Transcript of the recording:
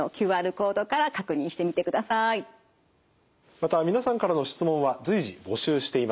また皆さんからの質問は随時募集しています。